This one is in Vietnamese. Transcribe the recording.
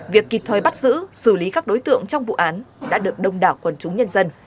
việc kịp thời bắt giữ xử lý các đối tượng trong vụ án đã được đông đảo quần chúng nhân dân